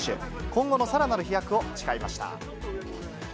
今後のさらなる飛躍を誓いました。